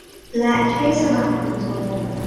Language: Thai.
และเทศบาลกรุงโซล